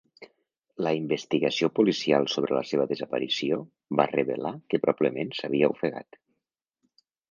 La investigació policial sobre la seva desaparició va revelar que probablement s'havia ofegat.